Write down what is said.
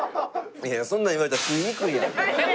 いやそんなん言われたら食いにくいやん。